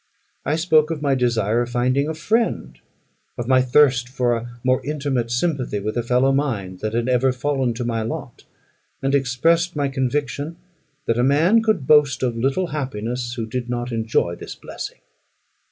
I spoke of my desire of finding a friend of my thirst for a more intimate sympathy with a fellow mind than had ever fallen to my lot; and expressed my conviction that a man could boast of little happiness, who did not enjoy this blessing.